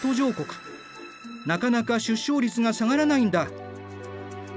なかなか出生率が下がらないんだ。